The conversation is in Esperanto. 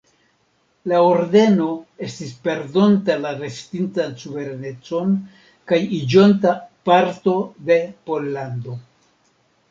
La Ordeno estis perdonta la restintan suverenecon kaj iĝonta parto de Pollando.